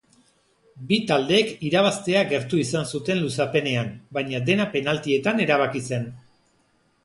Bi taldeek irabaztea gertu izan zuten luzapenean, baina dena penaltietan erabaki zen.